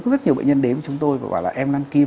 rất nhiều bệnh nhân đến với chúng tôi và bảo là em lăn kim